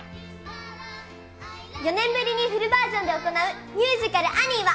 ４年ぶりにフルバージョンで行うミュージカルアニーは。